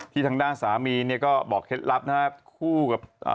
ที่ทางด้านสามีเนี่ยก็บอกเคล็ดลับนะครับ